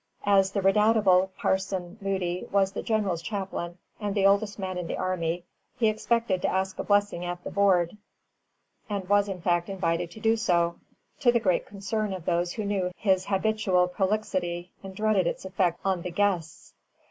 As the redoubtable Parson Moody was the general's chaplain and the oldest man in the army, he expected to ask a blessing at the board, and was, in fact, invited to do so, to the great concern of those who knew his habitual prolixity, and dreaded its effect on the guests.